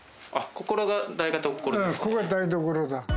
ここが台所だ。